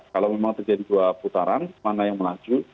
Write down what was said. kalau memang terjadi dua putaran mana yang melaju